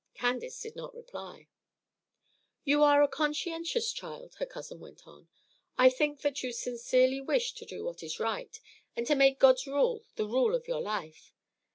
Candace did not reply. "You are a conscientious child," her cousin went on. "I think that you sincerely wish to do what is right, and to make God's rule the rule of your life.